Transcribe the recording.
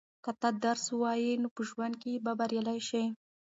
که ته درس ووایې نو په ژوند کې به بریالی شې.